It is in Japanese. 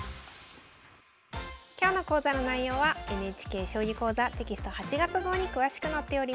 今日の講座の内容はＮＨＫ「将棋講座」テキスト８月号に詳しく載っております。